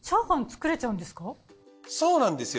そうなんですよ。